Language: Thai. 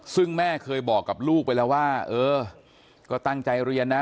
ซึ่งแม่เคยบอกกับลูกไปแล้วว่าเออก็ตั้งใจเรียนนะ